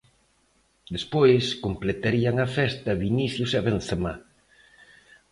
Despois, completarían a festa Vinicius e Benzemá.